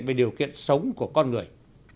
về điều kiện sống của con người